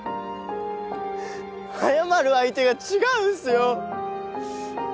謝る相手が違うんすよ。